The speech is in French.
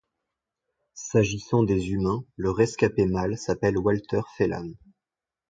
S'agissant des humains, le rescapé mâle s'appelle Walter Phelan.